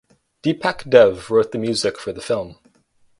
Deepak Dev wrote the music for the film.